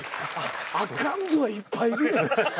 あかんぞはいっぱいいる。